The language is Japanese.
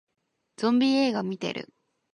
ゾンビ映画見てる